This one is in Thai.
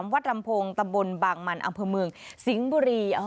วัดลำโพงตำบลบางมันอำเภอเมืองสิงห์บุรี